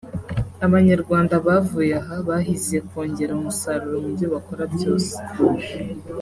Abanyarwanda bavuye aha bahize kongera umusaruro mu byo bakora byose